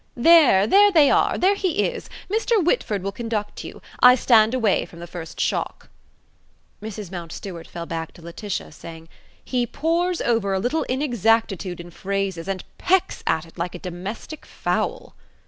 There, there they are; there he is. Mr. Whitford will conduct you. I stand away from the first shock." Mrs. Mountstuart fell back to Laetitia, saying: "He pores over a little inexactitude in phrases, and pecks at it like a domestic fowl."